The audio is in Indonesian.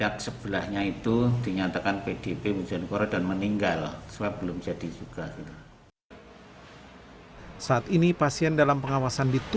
pasien di kecamatan parengan kabupaten tuban proses pemakaman dilakukan sesuai protokol kesehatan covid sembilan belas